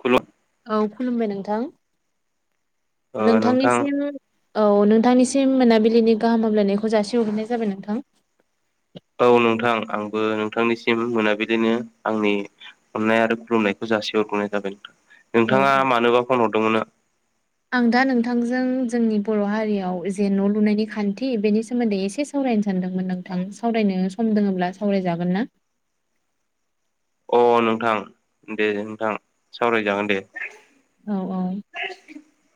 खुलु औ खुलुमबाय नोंथां ओ नोंथां नोंथांनिसिम औ नोंथांनिसिम मोनाबिलिनि गाहाम हामलायनायखौ जासि हरगैनाय जाबाय नोंथां। औ नोंथां आंबो नोंथांनिसिम मोनाबिलिनो आंनि अननाय आरो खुलुमनायखौ जासे हरग्रोनाय जाबाय नोंथां नोंथाङा मानोबा फन हरदोंमोन ना [inaudible] आं दा नोंथांजों जोंनि बर' हारियाव जे न' लुनायनि खान्थि बेनि सोमोन्दै एसे सा सावरायनो सानदोंमोन नोंथां सावरायनो सम दोङोब्ला सावरायजागोन ना? अ नोंथां दे नोंथां सावरायजागोन दे। औ औ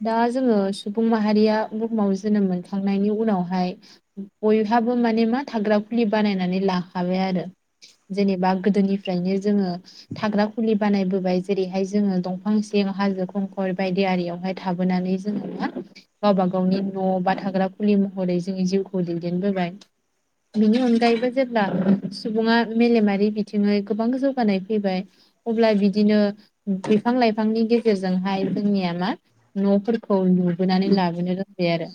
दा जोङो सुबुं माहारिया बुहुमाव जोनोम मोनखांनायनि उनावहाय बयहाबो माने मा थाग्रा फुलि बानायनानै लाखाबाय आरो। जेनेबा गोदोनिफ्रायनो जोङो थाग्रा खुलि बानायबोबाय जेरैहाय जोङो दंफां सिं हाजो खंखर बायदि आरियावहाय थाबोनानै जोङो मा गावबा गावनि न' बा थाग्रा फुलि महरै जोङो जिउखौ दैदेनबोबाय। बिनि अनगायैबो जेब्ला सुबुङा मेलेमारि बिथिङै गोबां जौगानाय फैबाय। अब्ला बिदिनो बिफां लाइफांनि गेजे जेर जोंहाय जोंनिया मा नफोरखौ लुबोनानै लाबोनो रोंबाय आरो।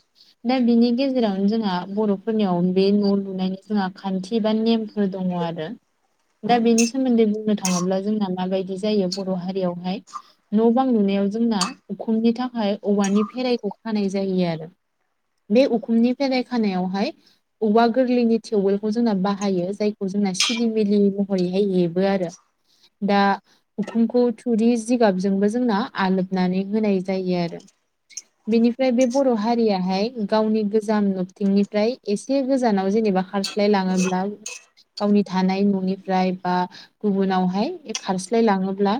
दा बिनि गेजेरावनो जोंहा बर'फोरनियाव बे न' लुनायनि जोंहा खान्थि बा नेम फोर दङ आरो। दा बेनि सोमोन्दै बुंनो थाङोब्ला जोंना माबायदि जायो बर' हारियावहाय न बां लुनायाव जोंना उखुमनि थाखाय औवानि फेराइखौ खानाय जायो आरो। बे उखुमनि फेराइ खानायावहाय औवा गोरलैनि थिवोलखौ जोंना बाहायो जायखौ जोंना सिलिमिलि महरैहाय हेबो आरो दा उखुमखौ थुरि जिगाब जोंबो जोंना आलोबनानै होनाय जायो आरो बेनिफ्राय बे बर' हारियाहाय गावनि गोजाम नथिंनिफ्राय एसे गोजानाव जेनेबा खारस्लाय लाङोब्ला गावनि थानाय ननिफ्राय बा गुबुनावहाय खारस्लाय लाङोब्ला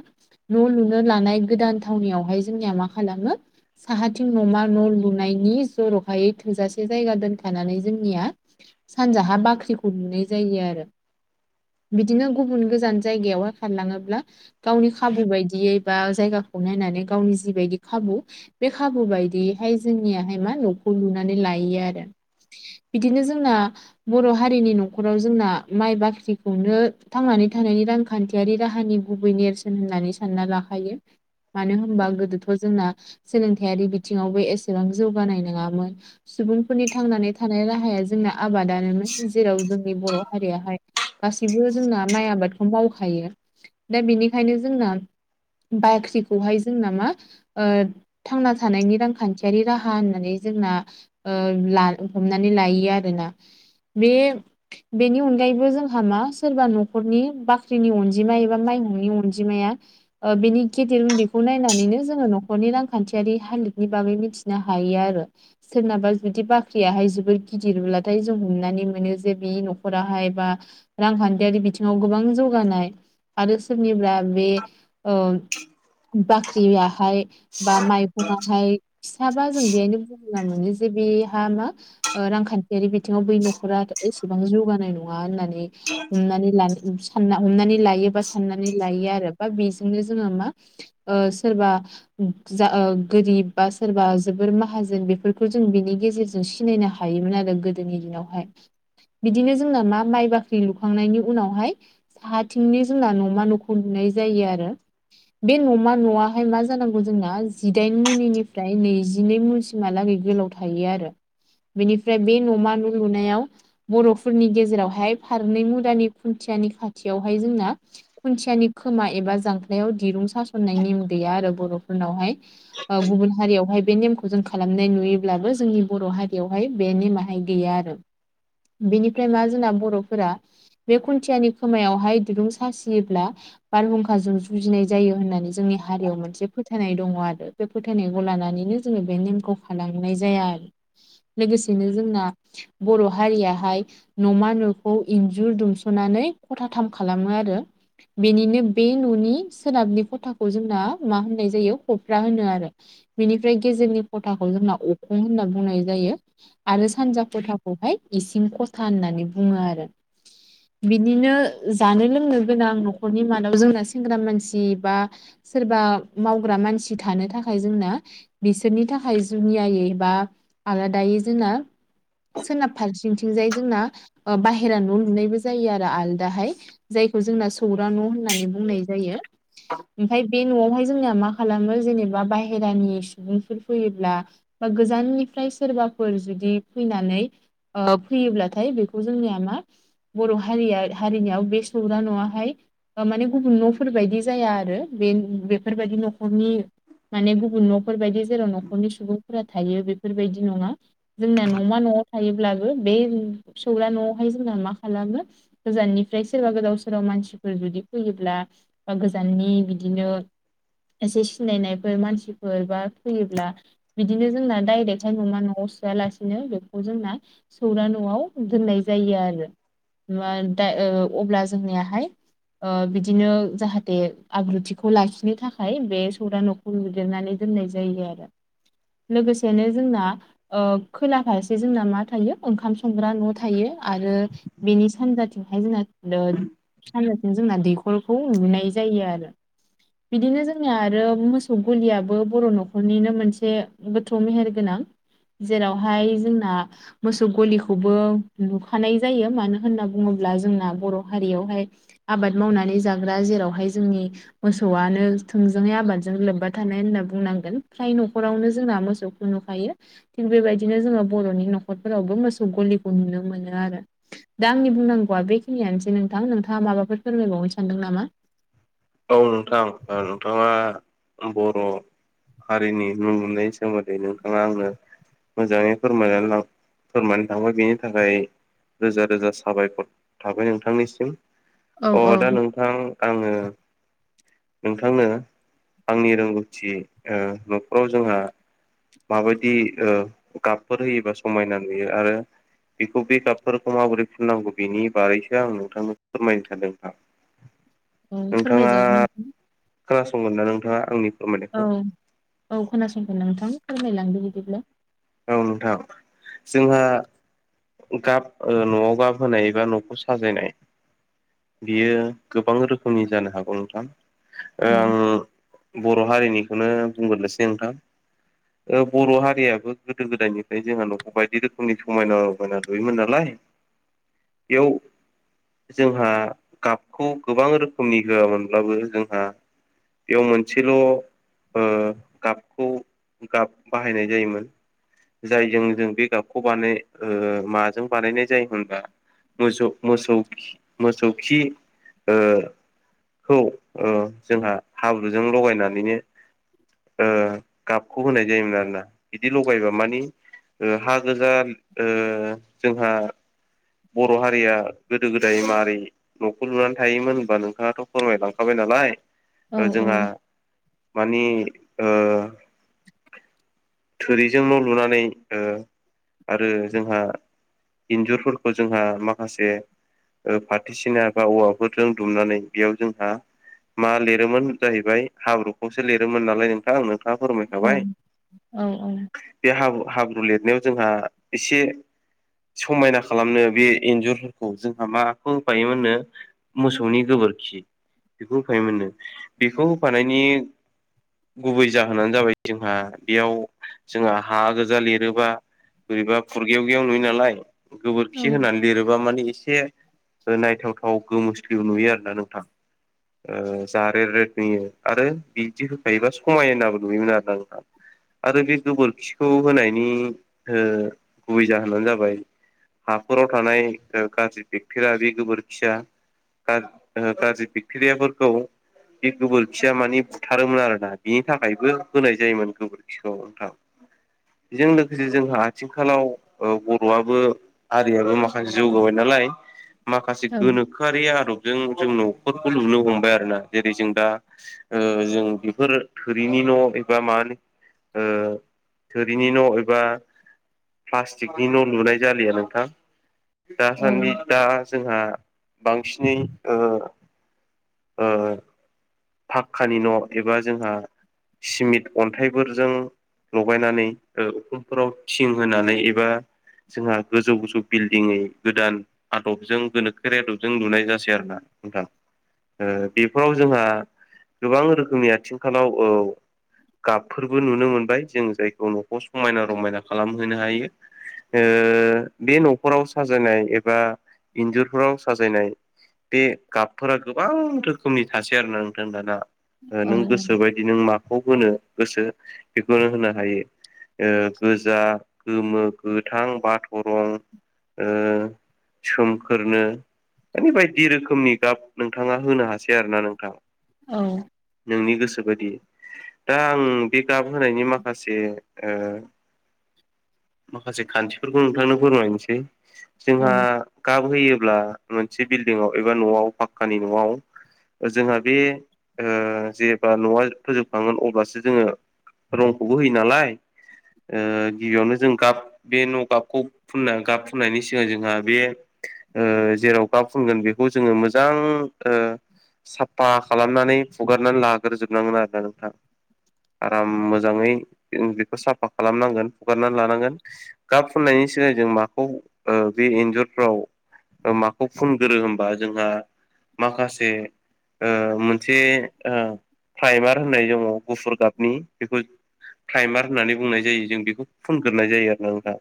न लु लानाय गोदान थावनियावहाय जोंनिया मा खालामो साहाथिं न'मा न' लुनायनि जर'खायै थोजासे जायगा दोनथानानै जोंनिया सानजाहा बाख्रिखौ लुनाय जायो आरो। बिदिनो गुबुन गोजान जायगायाव हखारलाङोब्ला गावनि खाबु बायदियै बा जायगाखौ नायनानै गावनि जिबायदि खाबु बे खाबु बायदियैहाय जोंनियाहाय मा नखौ लुनानै लायो आरो बिदिनो जोंना बर' हारिनि नखराव जोंना माइ बाख्रिखौनो थांनानै थानायनि रां खान्थियारि राहानि गुबै नेरसोन होननानै सानना ला। थायो मानो होनबा गोदोथ जोंना सोलोंथायारि बिथिङावबो एसेबां जौगानाय नङामोन सुबुंफोरनि थांनानै थानाय राहाया जोंना आबादानोन जेराव जोंनि बर' हारियाहाय गासिबो जोंना माइ आबादखौ माव हायो दा बेनिखायनो जोंना बाख्रिखौहाय जोंना मा ओ थांना थानायनि रांखान्थियारि राहा होननानै जोंना ओ लानो हमनानै लायो आरो ना। बे बेनि अनगायैबो जोंहा मा सोरबा न'खरनि बाख्रि जोंनि अनजिमा एबा माइहुंनि अनजिमाया बिनि गेदेर उन्दैखौ नायनानैनो जोङो न'खरनि रांखान्थियारि हालोदनि बागै मिथिनो हायो आरो सोरनाबा जुदि बाख्रियाहाय जोबोर गिदिरब्लाथाय जों नुनानै मोनो जे बि न'खराहाय बा रांखान्थियारि बिथिङाव गोबां जौगानाय आरो सोरनिबा बे औ बाख्रियाहाय बा माइखंहाय थाबा जों बेहायनो बुंना मोनो जे बेहा मा ओ रांखान्थियारि बिथिङाव बै नखरा एसेबां जौगानाय नङा होननानै हमनानै लानो सान हमनानै लायो बा साननानै लायो आरो बा बे नो जोङो मा ओ सोरबा जा गोरिब बा सोरबा जोबोर माहाजोन बेफोरखौ जों बिनि गेजेरजों सिनायनो हायो थायोमोन आरो गोदोनि दिनावहाय बिदिनो जोंना मा माइ बाख्रि लुखांनायनि उनावहाय हाथिंनि जोंना न'मा न'खौ नुनाय जायो आरो बे न'मा न'आहाय मा जानांगौ जोंना जिदाइन मुनिनिफ्राय नैजिनै मुजि महालागै गोलाव थायो आरो बेनिफ्राय बे न'मा न' लुनायाव बरफोरनि गेजेरावहाय फारनै मुदानि खुन्थियानि खाथियावहाय जोंना खुन्थियानि खोमा एबा जांख्रायाव दिरुं सास'ननाय नेम गैया आरो बर'फोरनावहाय गुबुन हारियावहाय बे नेमखौ जों खालामनाय नुयोब्लाबो जोंनि बर' हारियावहाय बे नेमाहाय गैया बेनिफ्राय मा जोंना बर'फोरा बे खुन्थियानि खोमायावहाय दिरुं सासियोब्ला बारहुंखाजों बुजिनाय जायो होननानै जोंनि हारियाव मोनसे फोथायनाय दङ आरो बे फोथायनायखौ लानानैनो जोङो बे नेमखौ थालांनाय जाया आरो लोगोसेनो जोंना बर' हारियाहाय न'मा न'खौ इन्जुर दुमस'नानै खथाथाम खालामो आरो बेनिनो बे ननि सोनाबनि खथाखौ जोंना मा होननाय जायो खफ्रा होनो आरो बेनिफ्राय गेजेरनि खथाखौ जोंना अखं होनना बुंनाय जायो। आरो सानजा खथाखौहाय इसिं खथा होननानै बुङो आरो बिदिनो जानो लोंनो गोनां नखरनि मादाव जोंना सेंग्रा मानसि बा सोरबा मावग्रा मानसि थानो थाखाय जोंना बिसोरनि थाखाय जुनियायै बा आलादायै जोंना सोरनाब फारथिंथिंजाय जोंना बाहेरा न लुनायबो जायो आरो आलदाहाय। जायखौ जोंना सौरा न' होननानै बुंनाय जायो [inaudible] ओमफफ्राय बे न'आवहाय जोंना मा खालामो जेनेबा बाहहेरानि सुबुंफोर फैयोब्ला बा गोजाननिफ्राय सोरबाफोर जुदि फैनानै ओ फैयोब्लाथाय बेखौ जोंनिया मा बर' हारिया हारिनियाव बे सौरा न'आहाय माने गुबुन न'फोर बायदि जाया आरो बे बेफोरबायदि नखरनि माने गुबुन न'फोर बायदि जेराव न'खरनि सुबुंफोरा थायो बेफोरबायदि नङा जोंना नमा नआव थायोब्लाबो बे सौला नआवहाय जोंना मा खालामो गोजाननिफ्राय सोरबा गोदाव सोराव मानसिफोर जुदि फैयोब्ला बा गोजाननि बिदिनो एसे सिनायनायफोर मानसिफोर बा फैयोब्ला बिदिनो जोंना डाइरेक्टहाय नमा नआव सोयालासिनो बेखौ जोंना सौरा न'आव दोननाय जायो आरो बा दाय ओ अब्ला जोंनियाहाय ओ बिदिनो जाहा देख आब्रुथिखौ लाखिनो थाखाय बे सौरा नखौ लुदेरनानै दोननाय जायो आरो लोगोसेनो जोंना ओ खोला फारसे जोंना मा थायो ओंखाम संग्रा न थायो आरो बेनि सानजाथिंहाय जोंना सानजाथिं जोंना दैखरखौ नुैनाय जायो आरो बिदिनो जोंनिया आरो मोसौ गुलियाबो बर' न'खरनिनो मोनसे गोथौ मेहेर गोनां जेरावहाय जोंना मोसौ गलिखौबो लुखानाय जायो मानो होनना बुङोब्ला जोंना बर हारियावहाय आबाद मावनानै जाग्रा जेरावहाय जोंनि मोसौआनो थोंजोङै आबादजों लोब्बा थानाय होनना बुंनांगोन फ्राय न'खरावनो जोंना मोसौ नुुखायो थिग बेबायदिनो जोङो बर'नि न'खरफोरावबो मोसौ गलिखौ नुनो मोनो आरो दा आंनि बुंनांगौआ बेखिनियानोसै नोंथां नोंथाङा माबाफोर फोरमायबावनो सानदों नामा औ नोंथां ओ नोंथाङा बर हारिनि न लुनायनि सोमोन्दै नोंथाङा आंनो मोजाङै फोर फोरमनानै थांबाय बिनि थाखाय रोजा रोजा साबायखर थाबाय नोंथांनिसिम औ अ औ दा नोंथां आङो नोंथांनो आंनि रोंगौथि न'खराव जोंहा माबायदि ओ गाबफोर होयोबा समायना नुयो आरो बेखौ बे गाबफोरखौ माबोरै फुननांगौ बेनि बारैसो आं नोंथांमोनखौ फोरमायनो सानदों सा औ फोरमाय जागोन नोंथां खोनासंगोन ना नोंथाङा आंनि फोरमायनायखौ औ औ खोनासंथ नोंथां फोरमायलांदो बिदिब्ला औ नोंथां जोंहा गाब न'आव गाब होनाय एबा न'खौ साजायनाय बियो गोबां रोखोमनि जानो हागौ नोंथां औ आं बर' हारिनिखौनो बुंग्रोसै नोंथां बर' हारियाबो गोदो गोदायनिफ्राय जोंहा न'खौ बायदि रोखोमनि समायना रायना लुयोमोन नालाय इयाव जोंहा गाबखौ गोबां रोखोमनि होआमोनब्लाबो जोंहा बेयाव मोनसेल' गाबखौ गाब बाहायनाय जायोमोन जायजों जों बे गाबखौ बानाय माजों बानायनाय जायो होनबा मोसौ मोसौ मोसौ खि खौ ओ जोंहा हाब्रुजों लगायनानैनो ओ गाबखौ होनाय जायोमोन आरोोना बिदि लगायबा मानि ओ हा गोजा ओ जोंहा बर' हारिया गोदो गोदाय मारै न'खौ लुनानै थायोमोन होनबा नोंथाङाथ' फोरमायलांखाबाय नालाय औ ओ जोंहा मानि ओ थोरिजों न' लुनानै ओ आरो जोंहा इन्जुरफोरखौ जोंहा माखासे ओ फाथोसिना बा औवाफोरजों दुमनानै बेयाव जोंहा मा लिरोमोन जाहैबाय हाब्रुखौसो लिरोमोन नालाय नोंथां औ फोरमायखाबाय औ औ बे हाबु हाब्रु लिरनायाव जोंहा एसे समायना खालामनो बे इन्जुरफोरखौ जोंहा माखौ होफायोमोननो मोसौनि गोबोरखि बेखौ होफायोमोननो बेखौ होफानायनि गुबै जाहोनानो जाबाय जोंहा बेयाव जोंहा हा गोजा लिरोबा बोरैबा फुरगेवगेव नुयो नालाय गोबोरखि होनानै लिरोबा मानिे एसे नायथावथाव गोमोस्लि नुयो आरोना नोंथां। ओ जारेद रेद नुयो आरो बिदि होखायोबा समाय होनाबो नुयोमोन आरोना नोंथां। आरो बे गोबोरखिखौ होनायनि ओ गुबै जाहोनानो जाबाय हाफोराव थानाय गाज्रि बेकटेरिया बे गोबोरखिया गाज्रि बेक्टेरियाफोरखौ बे गोबोरखिया मानिे बुथारोमोन आरोोना बिनि थाखायबो होनाय जायोमोन गोबोरखि सिखाव नोंथां बेजों लोगोसे जोंहा आथिखालाव बर'आबो हारियाबो माखासे जौगाबाय नालाय माखासे औ गोनो खोआरि आदबजों जों न'फोरखौ नुनो हमबाय आरो ना जेरै जों दा ओ जों बेफोर थोरिनि न' एबा मा ओ थोरिनि न' एबा प्लास्टिकनि न' लुनाय जालिया नोंथां दासान्दि दा जोंहा बांसिनै ओ [inaudible] ओ फाक्कानि न' एबा जोंहा सिमिट अन्थाइफोरजों लगायनानै उखुमफोराव थिं होनानै एबा जोंहा गोजौ गोजौ बिल्डिङै गोदान आदबजों गोनोखोरि आदबजों लुनाय जासै आरोना नोंथां। ओ बेफोराव जोंहा गोबां रोखोमनि आथिंखालाव गाबफोरबो नुनो मोनबाय जों जायखौ न'खौ समायना रमायना खालामहोनो हायो। ओ बे न'फोरराव साजायनाय एबा इन्जुरफोराव साजायनाय बे गाबफोरा गोबां रोखोमनि थासै आरो ना नोंथां दाना औ नों गोसो बाय दि नों माखौ होनो गोसो बेखौनो होनो हायो। गोजा गोमो गोथां बाथ' रं ओ सोमखोरनो माने बायदि रोखोमनि गाब नोंथाङा होनो हासै आरो ना नोंथां औ नोंनि गोसो बायदि दा आं बे गाब होनायनि माखासे ओ माखासे खान्थिफोरखौ नोंथांनो फोरमायनोसै। जोंहा गाब होयोब्ला मोनसे बिल्डिंआव एबा न'आव पाखकानि न'आव ओ जोंहा बे ओ जेब्ला न'आ फोजोबखांगोन अब्लासो जोङो रंखौबो होयो नालाय ओ गिबियावनो जों गाब बे न' गाबखौ फुनना गाब फुननायनि सिगां जोंहा बे जेराव गाब फुनगोन बेखौ जोङो मोजां ओ साबफा खालामनानै हुगारनानै लाग्रोजोबनांगोन आरोना नोंथां आराम मोजाङै ओ बेखौ साफा खालामनांगोन हुगारनानै लानांगोन गाब फुननायनि सिगां जों माखौ ओ बे इन्जुरफ्राव ओ माखौ फुनगोरो होनबा जोंहा माखासे ओ मोनसे ओ प्राइमार होननाय दङ' गुफुर गाबनि बेखौ प्राइमार होननानै बुंनाय जायो जों बेखौ फुनगोरनाय जायो आरोना नोंथां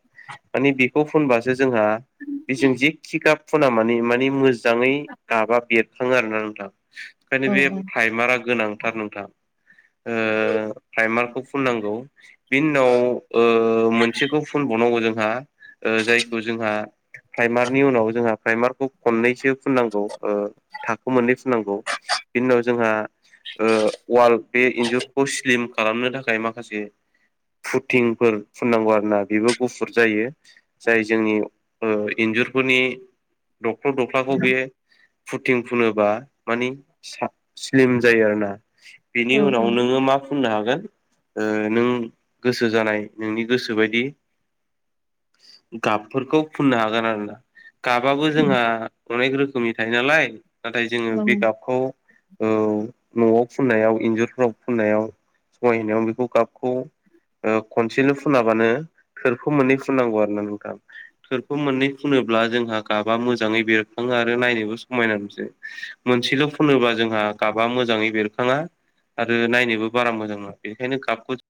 मानि बेखौ फुनबासो जोंहा बेजों जेखि गाब फुना माने माने मोजाङै गाबा बेरखाङो आरो ना नोंथां। खायनो बे प्राइमारा गोनांथार नोंथां। ओ फाइमारखौ फुननांगौ बिननाव ओ मोनसेखौ फुनबावनांगौ जोंहा ओ जायखौ जोंहा प्राइमारनि उनाव जोंहा प्राइमारखौ खननैसो फुननांगौ ओ थाखो मोननै फुननांगौ बिनि उनाव जोंहा ओ वाल बे इन्जुरखौ स्लिम खालामनो थाखाय माखासे फुथिंफोर फुननांगौ आरो ना बेबो गुफुर जायो। जाय जोंनि ओ इन्जुरफोरनि दख्ल' दख्लाखौ बे फुथिं फुनोबा मानि सा-स्लिम जायो आरोना औ बेनि उनाव नोङो मा फुननो हागोन ओ नों गोसो जानाय नोंनि गोसो बायदि गाबफोरखौ फुननो हागोन आरोना गाबाबबो जोंहा अनेक रोखोमनि थायो नालाय नाथाय जोङो औ बे गाबखौ औ न'आव फुननायाव इन्जुरफोराव फुननायाव समायहोनायाव बेखौ गाबखौ ओ खनसेनो फुनाबानो थोरखौ मोननै फुननांगौ आरो ना नोंथां थोरफो मोननै फुनोब्ला जोंहा गाबा मोजाङै बेरखाङो आरो नायनोबो समायना नुसै मोनसेल' फनोबा जोंहा गाबा मोजाङै बेरखाङा आरो नायनोबो बारा मोजां नङा बेखायनो गाबखौ